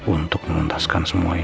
untuk memuntaskan semua hal